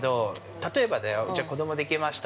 例えばだよ、子供できました。